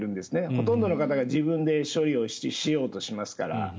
ほとんどの方が自分で処理をしようとしますから。